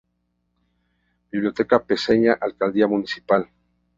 Biblioteca Paceña, Alcaldía Municipal.